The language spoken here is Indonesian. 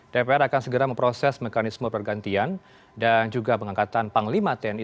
dpr akan segera memproses mekanisme pergantian dan juga pengangkatan panglima tni